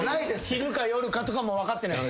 昼か夜かとかも分かってない。